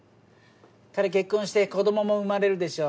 彼結婚して子供も生まれるでしょ。